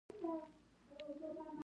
اوبه له ورخه تېرې وې